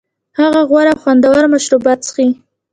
هغه غوره او خوندور مشروبات څښي